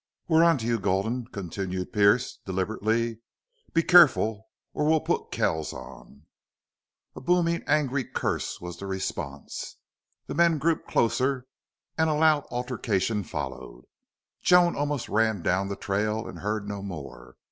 "We're on to you, Gulden," continued Pearce, deliberately. "Be careful or we'll put Kells on." A booming, angry curse was the response. The men grouped closer and a loud altercation followed. Joan almost ran down the trail and heard no more.